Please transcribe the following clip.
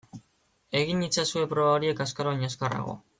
Egin itzazue proba horiek azkar baino azkarrago.